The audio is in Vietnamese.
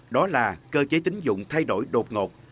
đó là cơ chế tính dụng thay đổi đột ngột